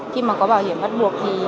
khi mà có bảo hiểm bắt buộc